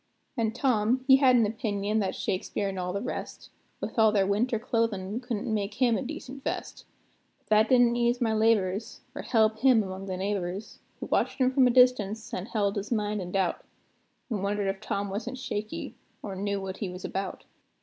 An' Tom, he had an opinion that Shakspeare an' all the rest, With all their winter clothin', couldn't make him a decent vest; But that didn't ease my labors, or help him among the neighbors, Who watched him from a distance, an' held his mind in doubt, An' wondered if Tom wasn't shaky, or knew what he was about.